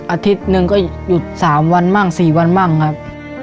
อาทิตย์หนึ่งก็หยุด๓วันบ้าง๔วันบ้างครับ